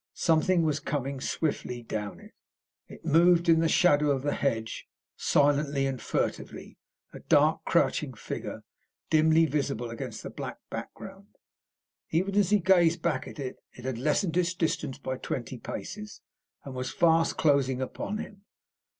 Something was coming swiftly down it. It moved in the shadow of the hedge, silently and furtively, a dark, crouching figure, dimly visible against the black background. Even as he gazed back at it, it had lessened its distance by twenty paces, and was fast closing upon him.